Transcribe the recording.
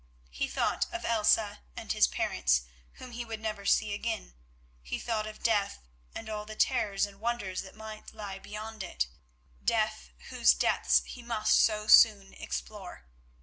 He thought of Elsa and his parents, whom he would never see again; he thought of death and all the terrors and wonders that might lie beyond it; death whose depths he must so soon explore.